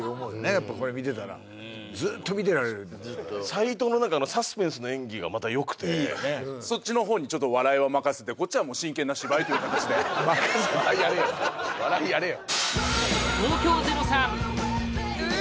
やっぱこれ見てたらずっと見てられる斉藤の何かサスペンスの演技がまたよくてそっちの方にちょっと笑いは任せて笑いやれよ笑いやれよ